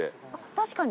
確かに！